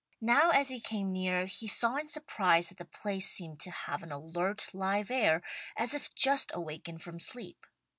Now as he came near he saw in surprise that the place seemed to have an alert, live air, as if just awakened from sleep.